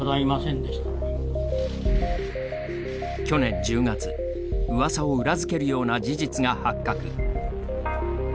去年１０月うわさを裏付けるような事実が発覚。